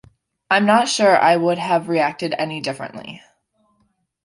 I'm not sure I would have reacted any differently.